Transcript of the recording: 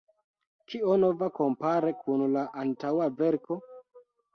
Kio nova kompare kun la antaŭa verko?